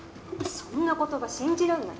そんな言葉信じらんない。